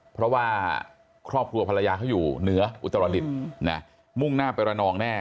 เพราะว่าครอบครัวภรรยาเขาอยู่เหนืออุตรดิษฐ์มุ่งหน้าไประนองแน่